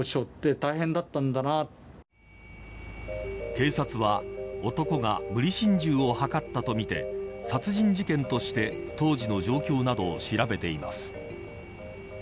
警察は男が無理心中を図ったとみて殺人事件として当時の状況などを調べています。